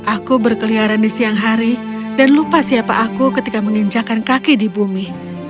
aku berkeliaran di siang hari dan lupa siapa aku ketika menginjakan kaki di bumi